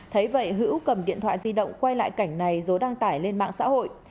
thấy vậy hữu cầm điện thoại di động quay lại cảnh này rồi đăng tải lên mạng xã hội